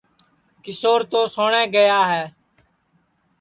کیشور تو سوٹؔے گیا ہے